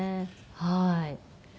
はい。